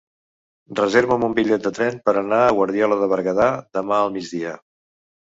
Reserva'm un bitllet de tren per anar a Guardiola de Berguedà demà al migdia.